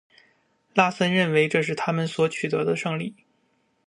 拉森认为这是他们所取得的胜利。